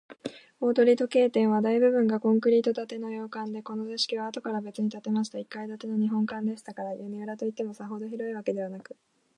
大鳥時計店は、大部分がコンクリート建ての洋館で、この座敷は、あとからべつに建てました一階建ての日本間でしたから、屋根裏といっても、さほど広いわけでなく、